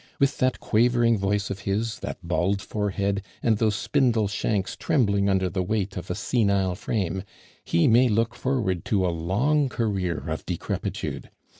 With that quavering voice of his, that bald forehead, and those spindle shanks trembling under the weight of a senile frame, he may look forward to a long career of decrepitude.